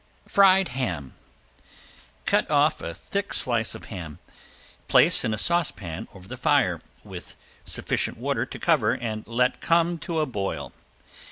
~FRIED HAM~ Cut off a thick slice of ham. Place in a saucepan over the fire, with sufficient water to cover and let come to a boil.